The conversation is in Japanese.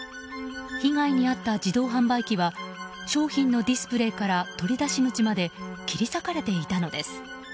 被害に遭った自動販売機は商品のディスプレーから取り出し口まで切り裂かれていたのです。